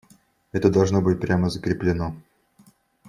Это должно быть прямо закреплено.